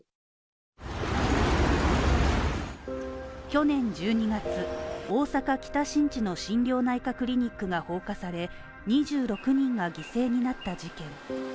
去年１２月、大阪北新地の心療内科クリニックが放火され２６人が犠牲になった事件。